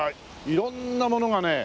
色んなものがね